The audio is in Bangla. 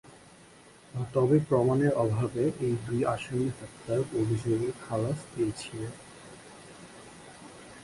তবে প্রমাণের অভাবে এই দুই আসামি হত্যার অভিযোগে খালাস পেয়েছিলেন।